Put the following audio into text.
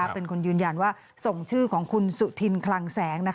เป็นคนยืนยันว่าส่งชื่อของคุณสุธินคลังแสง